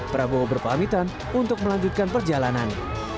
prabowo berpamitan untuk melanjutkan perjalanan